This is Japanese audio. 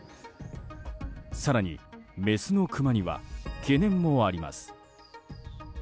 更に、メスのクマには懸念もあります。